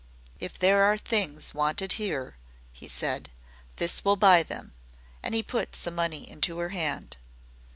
"If there are things wanted here," he said, "this will buy them." And he put some money into her hand.